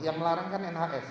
yang melarangkan nhs